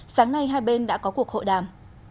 sáng nay hai bên đã có cuộc hội đàm